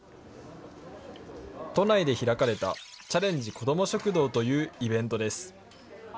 都内で開かれたチャレンジこども食堂というイベントです。